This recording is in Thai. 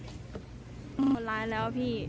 หมดล้ายแล้วพี่